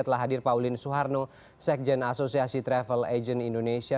telah hadir pauline suharno sekjen asosiasi travel agent indonesia